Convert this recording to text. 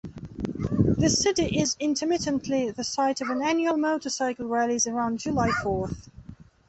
The city is intermittently the site of an annual motorcycle rallies around July Fourth.